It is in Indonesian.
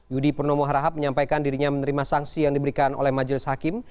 yudi purnomo harahap menyampaikan dirinya menerima sanksi yang diberikan oleh majelis hakim